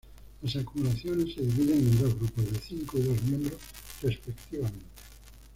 Las acumulaciones se dividen en dos grupos de cinco y dos miembros respectivamente.